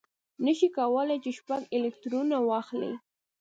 نه شي کولای چې شپږ الکترونه واخلي.